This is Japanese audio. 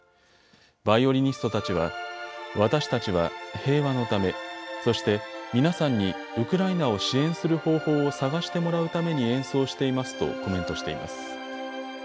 バイオリニストたちは私たちは平和のため、そして皆さんにウクライナを支援する方法を探してもらうために演奏していますとコメントしています。